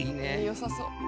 よさそう。